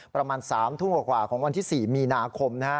ประมาณ๓ทุ่มกว่าของวันที่๔มีนาคมนะฮะ